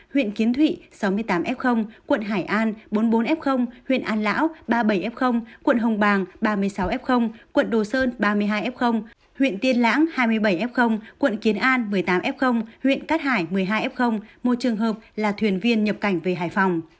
huyện kiến thụy sáu mươi tám f quận hải an bốn mươi bốn f huyện an lão ba mươi bảy f quận hồng bàng ba mươi sáu f quận đồ sơn ba mươi hai f huyện tiên lãng hai mươi bảy f quận kiến an một mươi tám f huyện cát hải một mươi hai f một trường hợp là thuyền viên nhập cảnh về hải phòng